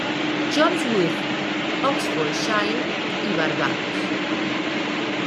John's Wood, Oxfordshire y Barbados.